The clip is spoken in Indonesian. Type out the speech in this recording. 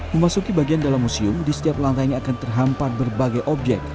memasuki bagian dalam museum di setiap lantai ini akan terhampat berbagai objek